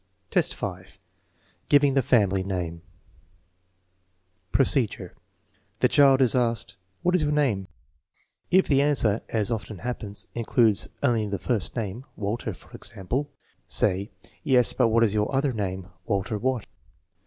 HI, 5. Giving the family name Procedure. The child is asked, " What is your name f " If the answer, as often happens, includes only the first name (Walter, for example), say: "Yes, but what is your other name ? Walter what